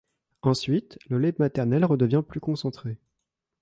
Ensuite, le lait maternel redevient plus concentré.